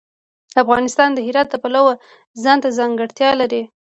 افغانستان د هرات د پلوه ځانته ځانګړتیا لري.